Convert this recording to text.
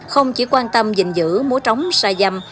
không chỉ quan tâm dình dữ mua trống xa dầm